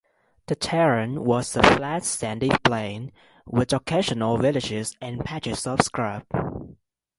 The terrain was a flat sandy plain, with occasional villages and patches of scrub.